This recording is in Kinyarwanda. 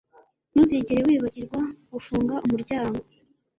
Ntuzigere wibagirwa gufunga umuryango